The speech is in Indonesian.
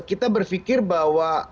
kita berpikir bahwa